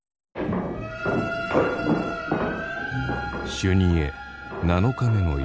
修二会７日目の夜。